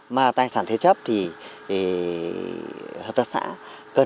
mà tài sản thế chấp thì hợp tác xã